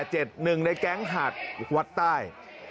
หนึ่งในแก๊งหาดวัดใต้